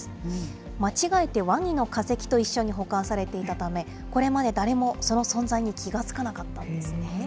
間違えてワニの化石と一緒に保管されていたため、これまで誰もその存在に気が付かなかったんですね。